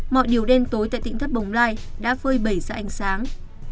mọi điều đen tối tại tỉnh thất bồng lai đã phơi bầy ra ánh sáng